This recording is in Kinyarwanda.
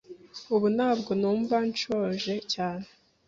Ubu ntabwo numva nshonje cyane.